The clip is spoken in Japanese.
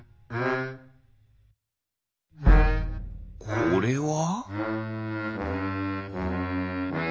これは？